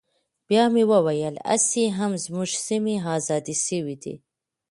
بيا مې وويل هسې هم زموږ سيمې ازادې سوي دي.